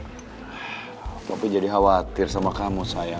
pah papi jadi khawatir sama kamu sayang